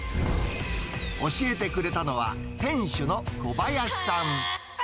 教えてくれたのは、店主の小林さん。